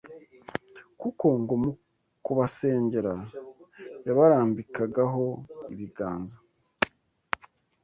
kuko ngo mu kubasengera yabarambikagaho ibiganza